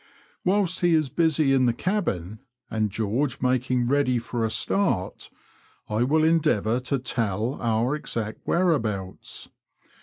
Whilst he is busy in the cabin, and George making ready for a start, I will endeavour to tell our exact whereabouts.